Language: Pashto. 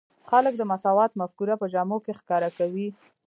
خلک د مساوات مفکوره په جامو کې ښکاره کوي.